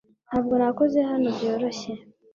ntabwo nakoze hano byoroshye